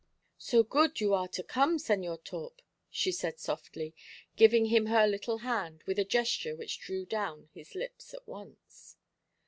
"So good you are to come, Señor Torp," she said softly, giving him her little hand with a gesture which drew down his lips at once.